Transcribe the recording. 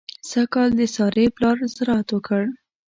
سږ کال د سارې پلار زراعت وکړ.